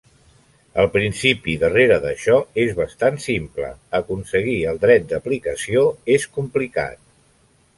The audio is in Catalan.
El principi darrere d'això és bastant simple; aconseguir el dret d'aplicació és complicat.